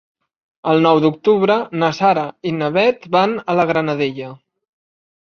El nou d'octubre na Sara i na Bet van a la Granadella.